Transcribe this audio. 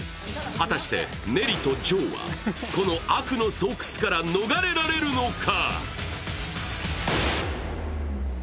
果たしてネリとジョーはこの悪の巣窟から逃れられるのか？